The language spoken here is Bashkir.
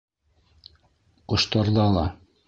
Ҡоштарҙа ла —